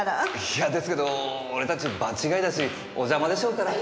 いやですけど俺たち場違いだしお邪魔でしょうから。